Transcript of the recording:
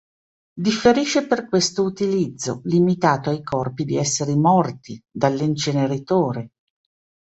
Differisce per questo utilizzo, limitato ai corpi di esseri morti, dall'inceneritore.